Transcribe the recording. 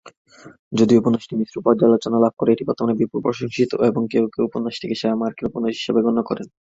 যদিও উপন্যাসটি মিশ্র পর্যালোচনা লাভ করে, এটি বর্তমানে বিপুল প্রশংসিত এবং কেউ কেউ উপন্যাসটিকে "সেরা মার্কিন উপন্যাস" হিসেবে গণ্য করেন।